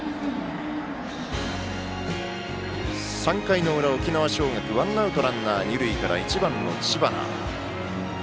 ３回の裏、沖縄尚学ワンアウトランナー、二塁から１番の知花。